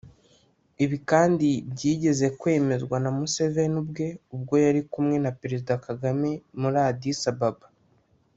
Ibi kandi byigeze kwemezwa na Museveni ubwe ubwo yari kumwe na Perezida Kagame muri Addis Ababa